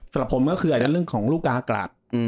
สำหรับผมก็คืออาจจะเรื่องของลูกกาอากาศ